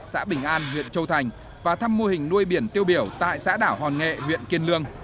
xã bình an huyện châu thành và thăm mô hình nuôi biển tiêu biểu tại xã đảo hòn nghệ huyện kiên lương